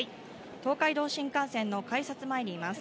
東海道新幹線の改札前にいます。